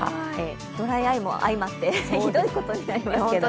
ドライアイも相まってひどいことになりますけど。